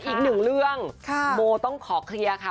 อีกหนึ่งเรื่องโมต้องขอเคลียร์ค่ะ